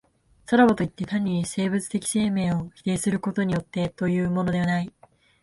さらばといって、単に生物的生命を否定することによってというのでもない。